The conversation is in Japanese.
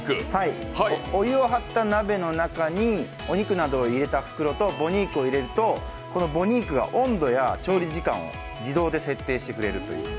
お湯を張った鍋の中にお肉などを入れた袋とボニークを入れるとこのボニークが温度や調理時間を自動で設定してくれるという。